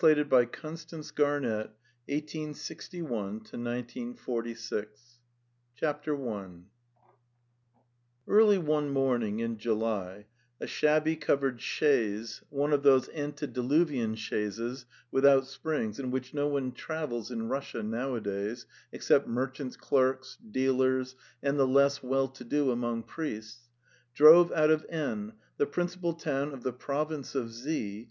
1%, aly '" Uy, THE STEPPE By) fe fy Dy Nee DHE, SPERPE THE STORY OF A JOURNEY I EARLY one morning in July a shabby covered chaise, one of those antediluvian chaises without springs in which no one travels in Russia nowadays, except merchant's clerks, dealers and the less well to do among priests, drove out of N., the principal town of the province of Z.